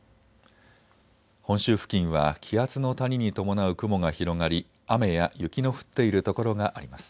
本州付近は気圧の谷に伴う雲が広がり雨や雪の降っている所があります。